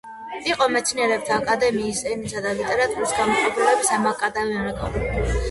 იყო მეცნიერებათა აკადემიის ენისა და ლიტერატურის განყოფილების აკადემიკოს-მდივანი.